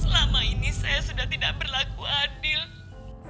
selama ini saya sudah tidak berlaku adil